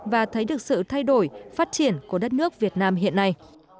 và thấy được sự thay đổi phát triển của đất nước việt nam hiện nay